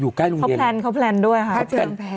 อยู่ใกล้โรงเรียนเขาแพลนเขาแพลนด้วยค่ะค่าเทอมแพลน